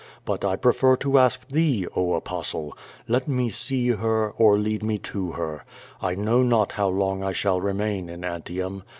But I prefer to ask thee, oh. Apostle! Ijct me see her, or load me to her. I know not how long I shall remain in Antium.